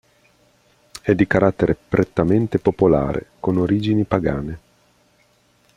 È di carattere prettamente popolare, con origini pagane.